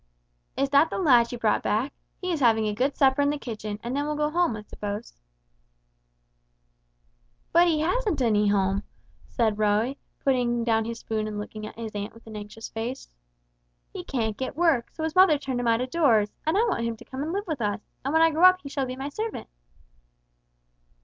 "Is that the lad that brought you back? He is having a good supper in the kitchen, and then will go home, I suppose." "But he hasn't any home," said Roy, putting down his spoon and looking at his aunt with an anxious face; "he can't get work, so his mother turned him out of doors, and I want him to come and live with us, and when I grow up he shall be my servant!"